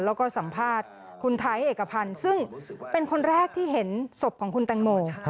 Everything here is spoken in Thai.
แล้วก็สัมภาษณ์คุณไทยเอกพันธ์ซึ่งเป็นคนแรกที่เห็นศพของคุณแตงโม